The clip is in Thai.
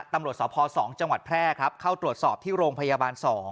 ตำรวจสพ๒จังหวัดแพร่ครับเข้าตรวจสอบที่โรงพยาบาล๒